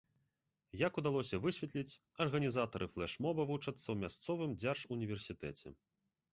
Як удалося высветліць, арганізатары флэш-моба вучацца ў мясцовым дзяржуніверсітэце.